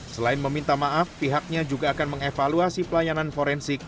selain meminta maaf pihaknya juga akan mengevaluasi pelayanan forensik